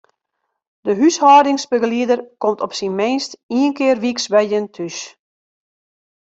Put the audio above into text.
De húshâldingsbegelieder komt op syn minst ien kear wyks by jin thús.